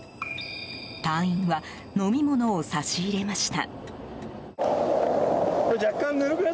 隊員は飲み物を差し入れました。